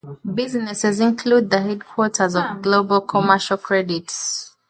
Businesses include the headquarters of Global Commercial Credit.